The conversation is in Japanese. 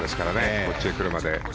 こっちへ来るまで。